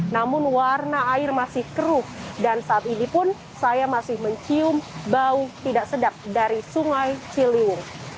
namun warna air masih keruh dan saat ini pun saya masih mencium bau tidak sedap dari sungai ciliwung